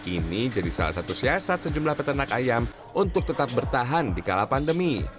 ini jadi salah satu siasat sejumlah peternak ayam untuk tetap bertahan di kala pandemi